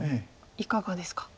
いかがですか？